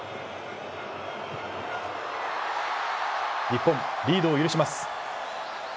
日本、リードを許します。